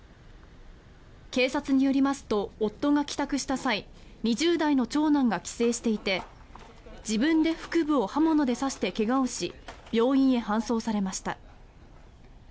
警察によりますと夫が帰宅した際２０代の長男が帰省していて自分で腹部を刃物で刺して怪我をし病院へ搬送されました。